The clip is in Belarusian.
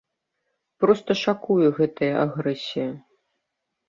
Проста шакуе гэтая агрэсія.